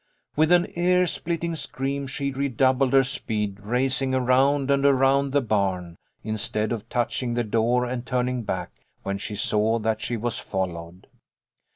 With an ear split ting scream she redoubled her speed, racing around and around the barn, instead of touching the door and turning back, when she saw that she was followed.